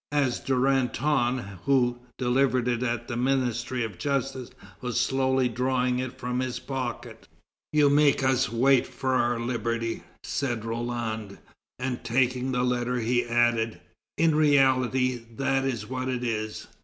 As Duranton, who delivered it at the Ministry of Justice, was slowly drawing it from his pocket, "You make us wait for our liberty," said Roland; and, taking the letter, he added, "In reality that is what it is."